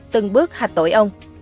từng bước hạch tội ông